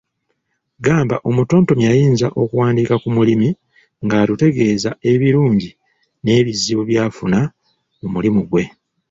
Gamba omutontomi ayinza okuwandiika ku mulimi ng’atutegeeza, ebirungi n’ebizibu by’afuna mu mulimu gwe.